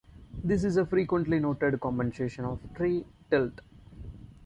This is a frequently noted compensation of tree tilt.